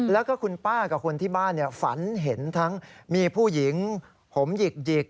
แล้วก็คุณป้ากับคนที่บ้านฝันเห็นทั้งมีผู้หญิงผมหยิก